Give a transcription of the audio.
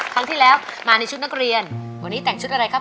สวัสดีด้วยนะครับ